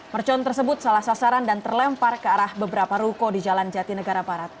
mercon tersebut salah sasaran dan terlempar ke arah beberapa ruko di jalan jati negara barat